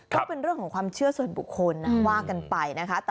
ก็เป็นเรื่องของความเชื่อส่วนบุคคลนะว่ากันไปนะคะ